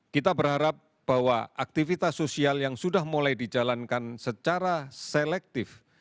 kita berharap bahwa aktivitas sosial yang sudah mulai dijalankan secara selektif